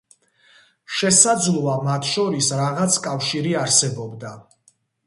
შესაძლოა, მათ შორის რაღაც კავშირი არსებობდა.